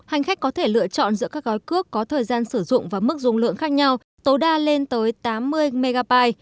hành khách có thể lựa chọn giữa các gói cước có thời gian sử dụng và mức dung lượng khác nhau tối đa lên tới tám mươi mby